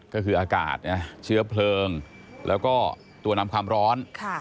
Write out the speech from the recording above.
ก็คืออากาศเชื้อเพลิงแล้วก็ตัวนำความร้อน